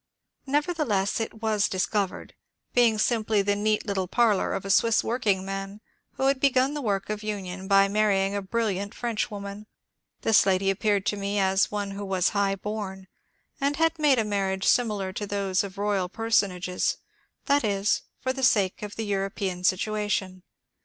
Nevertheless it was dis covered,— being simply the neat little parlor of a Swiss workingman who had begun the work of union by marrying a brilliant Frenchwoman. This lady appeared to me as one who was high bom and had made a marriage similar to those of royal personages, that is, for the sake of the European sit uation.